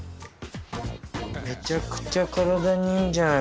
めちゃくちゃ体にいいんじゃない？